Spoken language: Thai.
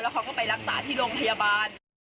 เขาก็ไปรักษาที่โรงพยาบาล